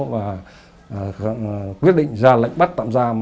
và quyết định ra lệnh bắt tạm giam